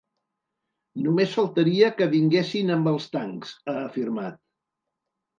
Només faltaria que vinguessin amb els tancs, ha afirmat.